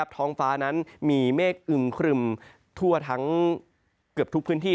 ท้องฟ้านั้นมีเมฆอึมครึมทั่วทั้งเกือบทุกพื้นที่